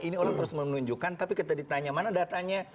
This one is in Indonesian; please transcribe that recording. ini orang terus menunjukkan tapi kita ditanya mana datanya